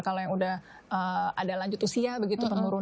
kalau yang udah ada lanjut usia begitu penurunan